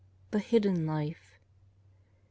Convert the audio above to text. THE HIDDEN LIFE. !